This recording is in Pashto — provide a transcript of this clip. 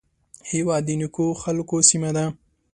هېواد د نیکو خلکو سیمه ده